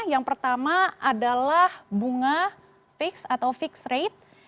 yang pertama adalah bunga fix atau fixed rate